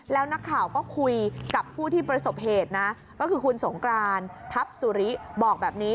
แล้วนักข่าวก็คุยกับผู้ที่ประสบเหตุนะก็คือคุณสงกรานทัพสุริบอกแบบนี้